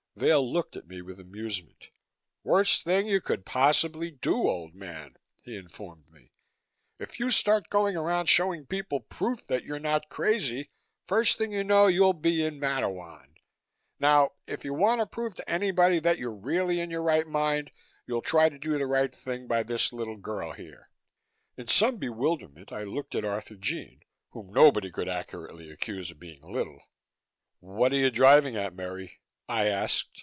Vail looked at me with amusement. "Worst thing you could possibly do, old man," he informed me. "If you start going around showing people proof that you're not crazy, first thing you know you'll be in Matteawan. Now if you want to prove to anybody that you're really in your right mind, you'll try to do the right thing by this little girl here." In some bewilderment I looked at Arthurjean, whom nobody could accurately accuse of being little. "What are you driving at, Merry?" I asked.